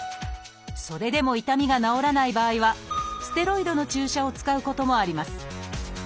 それでも痛みが治らない場合はステロイドの注射を使うこともあります。